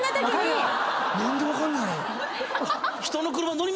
何で分かんのやろ？